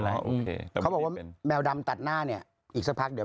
มันเป็นแล้ววันแมวดำตัดหน้าเนี่ยอีกสักพักเดี๋ยว